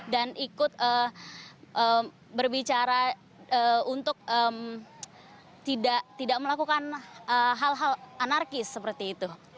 ikut berbicara untuk tidak melakukan hal hal anarkis seperti itu